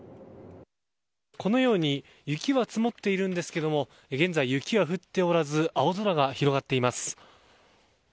このように雪は積もっているんですけども現在雪は降っておらず青空が広がっています。